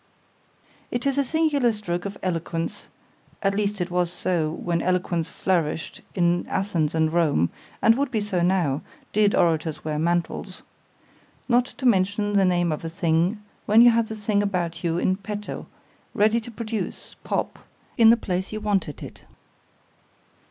It is a singular stroke of eloquence (at least it was so, when eloquence flourished at Athens and Rome, and would be so now, did orators wear mantles) not to mention the name of a thing, when you had the thing about you in petto, ready to produce, pop, in the place you want it.